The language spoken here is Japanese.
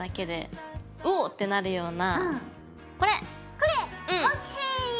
これ！ＯＫ。